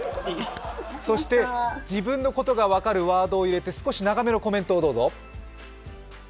そして、自分のことが分かるワードを入れて少し長めのコメントをどうぞ。